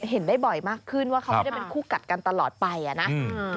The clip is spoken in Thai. เห็นได้บ่อยมากขึ้นว่าเขาไม่ได้เป็นคู่กัดกันตลอดไปอ่ะนะอืม